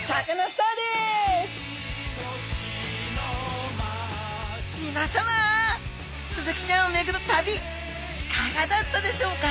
スズキちゃんをめぐる旅いかがだったでしょうか？